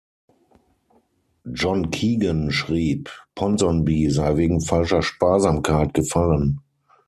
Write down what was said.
John Keegan schrieb, Ponsonby sei 'wegen falscher Sparsamkeit' gefallen.